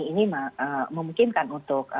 ini memungkinkan untuk